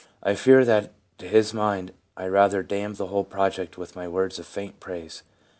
I fear that to his mind I rather damned the whole project with my words of faint praise.